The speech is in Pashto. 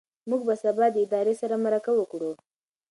موږ به سبا د ادارې سره مرکه وکړو.